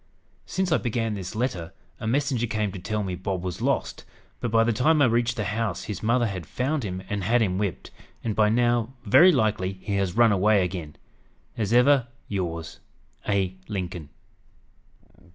"Since I began this letter, a messenger came to tell me Bob was lost; but by the time I reached the house his mother had found him and had him whipped, and by now very likely he has run away again! "As ever yours, "A. LINCOLN."